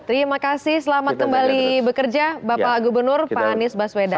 terima kasih selamat kembali bekerja bapak gubernur pak anies baswedan